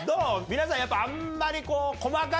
皆さんやっぱりあんまり。